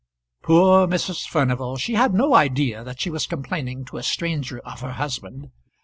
Poor Mrs. Furnival! she had no idea that she was complaining to a stranger of her husband.